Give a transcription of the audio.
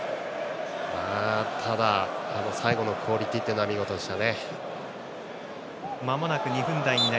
ただ、最後のクオリティーは見事でした。